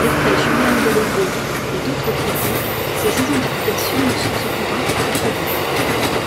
D’après Julián Gállego et d’autres critiques, ces identifications ne sont cependant pas prouvées.